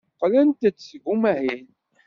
Qqlent-d seg umahil.